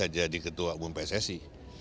jadi ketua umum pssi